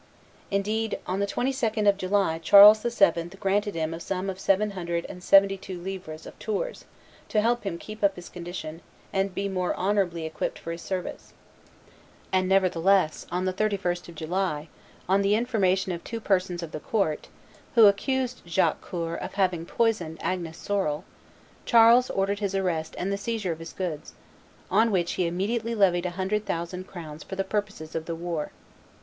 Indeed, on the 22d of July Charles VII. granted him a "sum of seven hundred and seventy two livres of Tours to help him to keep up his condition and to be more honorably equipped for his service;" and, nevertheless, on the 31st of July, on the information of two persons of the court, who accused Jacques Coeur of having poisoned Agnes Sorel, Charles ordered his arrest and the seizure of his goods, on which he immediately levied a hundred thousand crowns for the purposes of the war.